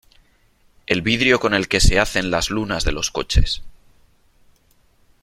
el vidrio con el que se hacen las lunas de los coches ,